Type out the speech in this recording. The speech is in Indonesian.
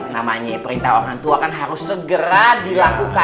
namanya perintah orang tua kan harus segera dilakukan